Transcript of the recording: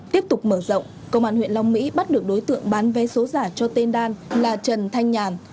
tiếp tục mở rộng công an huyện long mỹ bắt được đối tượng bán vé số giả cho tên đan là trần thanh nhàn